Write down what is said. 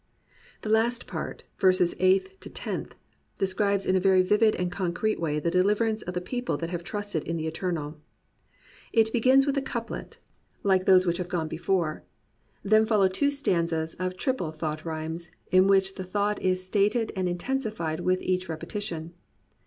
The last part (verses eighth to tenth) describes in a very vivid and concrete way the deliverance of the pec^le that have trusted in the Eternal. It begins with a couplet, Uke those which have gone 45 COMPANIONABLE BOOKS before. Then follow two stanzas of triple thought rhymes, in which the thought is stated and intensi fied with each rep>etition.